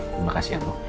terima kasih ya bu